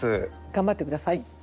頑張って下さい。